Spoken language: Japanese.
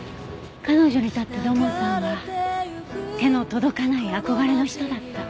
彼女にとって土門さんは手の届かない憧れの人だった。